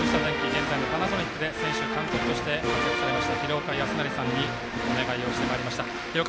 現在のパナソニックで選手、監督として活躍されました廣岡資生さんにお願いをしてまいりました。